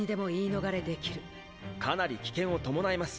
かなり危険を伴います。